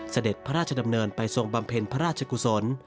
เสด็จพระราชดำเนินไปทรงบำเพ็ญพระราชกุศล